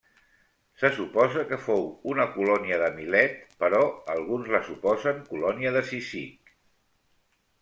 Se suposa que fou una colònia de Milet però alguns la suposen colònia de Cízic.